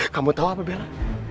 kamu tau apa bela